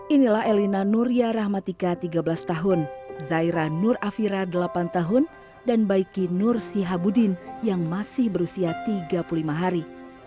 inilah elina nuria rahmatika tiga belas tahun zaira nur afira delapan tahun dan baiki nur sihabudin yang masih berusia tiga puluh lima hari